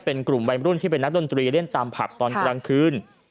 เป็นกลุ่มวัยรุ่นที่เป็นนักดนตรีเล่นตามผับตอนกลางคืน